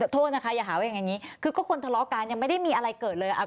โทษนะคะอย่าหาว่าอย่างนี้คือก็คนทะเลาะกันยังไม่ได้มีอะไรเกิดเลย